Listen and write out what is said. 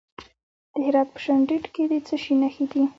د هرات په شینډنډ کې د څه شي نښې دي؟